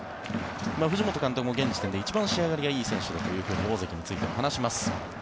藤本監督も、現時点で一番仕上がりがいい選手だと大関については話します。